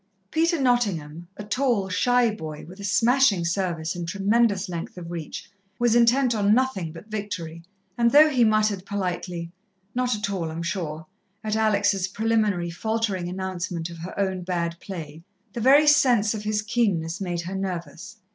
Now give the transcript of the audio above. Peter Nottingham, a tall, shy boy with a smashing service and tremendous length of reach, was intent on nothing but victory, and though he muttered politely, "Not all, 'm sure," at Alex' preliminary, faltering announcement of her own bad play, the very sense of his keenness made her nervous.